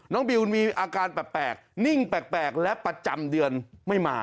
บิวมีอาการแปลกนิ่งแปลกและประจำเดือนไม่มา